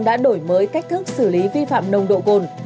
đã đổi mới cách thức xử lý vi phạm nồng độ cồn